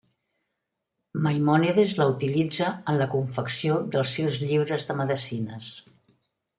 Maimònides l'utilitza en la confecció dels seus llibres de medicines.